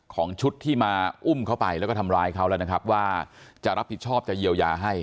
ของชุดที่มาอุ้มเขาไปแล้วก็ทำร้ายเขาแล้วนะครับว่าจะรับผิดชอบจะเยียวยาให้